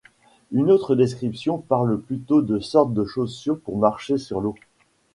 Une autre description parle plutôt de sorte de chaussures pour marcher sur l'eau.